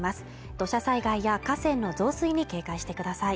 土砂災害や河川の増水に警戒してください